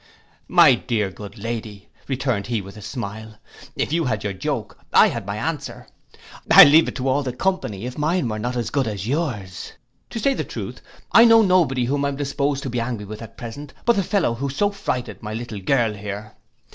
'My dear good lady,' returned he with a smile, 'if you had your joke, I had my answer: I'll leave it to all the company if mine were not as good as yours. To say the truth, I know no body whom I am disposed to be angry with at present but the fellow who so frighted my little girl here.